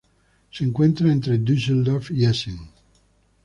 Se encuentra entre Düsseldorf y Essen.